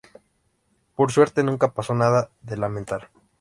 Por suerte, nunca pasó nada de lamentar.